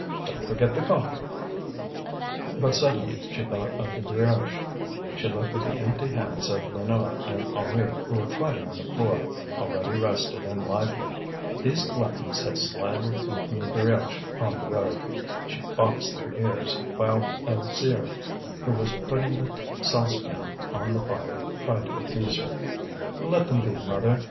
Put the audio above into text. Don't forget the coffee!" But suddenly she thought of the brioche. She looked at the empty hands of Lénore and Henri who were fighting on the floor, already rested and lively. These gluttons had slyly eaten the brioche on the road. She boxed their ears, while Alzire, who was putting the saucepan on the fire, tried to appease her. "Let them be, mother.